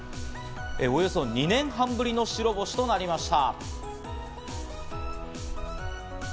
およそ２年半ぶりの白星となりました。